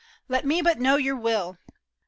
Let me but know your will !